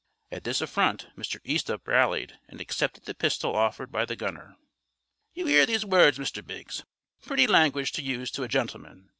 At this affront Mr. Easthupp rallied, and accepted the pistol offered by the gunner. "You 'ear those words, Mr. Biggs? Pretty language to use to a gentleman!